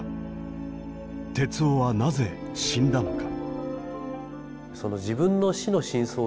徹生はなぜ死んだのか。